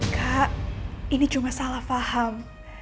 kak ini cuma salah paham